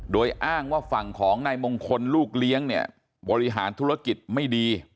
โดยอ้างว่าฝั่งของนายมงคลลูกเลี้ยงเนี่ยบริหารธุรกิจไม่ดี